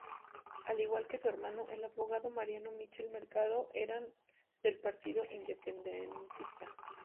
Al igual que su hermano el abogado Mariano Michel Mercado eran del partido independentista.